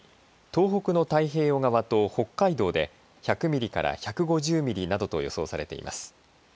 東北の太平洋側と北海道で１００ミリから１５０ミリなどと予想されています。